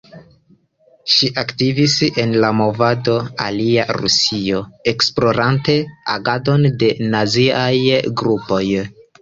Ŝi aktivis en la movado "Alia Rusio" esplorante agadon de naziaj grupoj.